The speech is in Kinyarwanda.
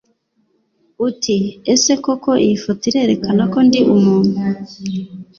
uti ese koko iyi foto irerekana ko ndi umuntu